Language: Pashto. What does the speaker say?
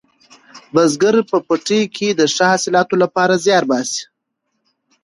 بزګر په پټي کې د ښه حاصلاتو لپاره زیار باسي